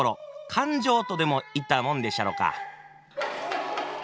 「感情」とでもいったもんでっしゃろか。